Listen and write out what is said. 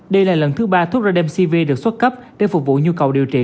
đây là lần thứ ba thuốc radcv được xuất cấp để phục vụ nhu cầu điều trị